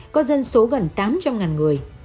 có dân số gần tám trăm linh người